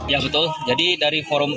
ya betul jadi dari forum